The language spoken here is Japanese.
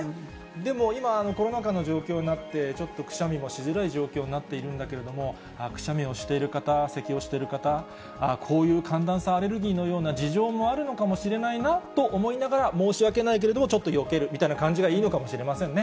でも今、コロナ禍の状況になって、ちょっとくしゃみもしづらい状況になっているんだけれども、ああ、くしゃみをしている方、せきをしている方、ああ、こういう寒暖差アレルギーのような事情もあるのかもしれないなと思いながら、申し訳ないけれども、ちょっとよけるみたいな感じがいいのかもしれませんね。